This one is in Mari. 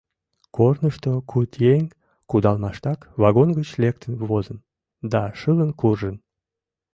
Корнышто куд еҥ кудалмаштак вагон гыч лектын возын да шылын куржын.